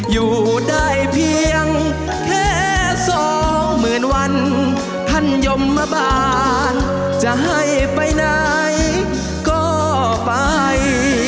อยู่ได้เพียงแค่สองหมื่นวันท่านยมมาบานจะให้ไปไหนก็ไป